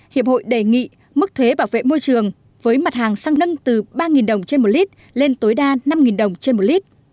hiệp hội đề nghị mức thuế bảo vệ môi trường với mặt hàng xăng nâng từ ba đồng trên một lít lên tối đa năm đồng trên một lít